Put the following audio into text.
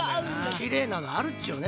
きれいなのあるっちよね